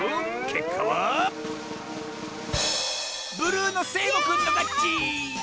けっかはブルーのせいごくんのかち！